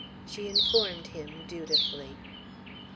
She informed him, dutifully.